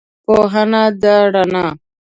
پوهنه ده رڼا